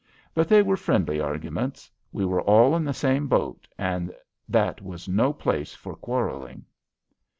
But they were friendly arguments; we were all in the same boat and that was no place for quarreling.